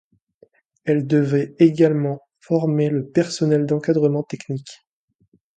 Elle devait également former le personnel d’encadrement technique.